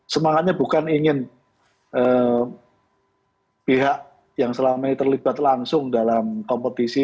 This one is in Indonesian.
semangatnya bukan ingin pihak yang selama ini terlibat langsung dalam kompetisi